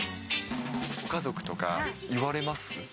ご家族とか、言われます？